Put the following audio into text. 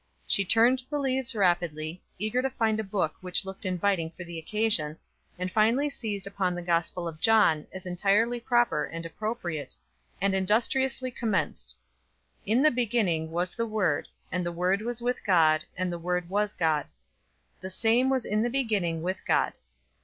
She turned the leaves rapidly, eager to find a book which looked inviting for the occasion, and finally seized upon the Gospel of John as entirely proper and appropriate, and industriously commenced: "'In the beginning was the Word, and the Word was with God, and the Word was God. The same was in the beginning with God.'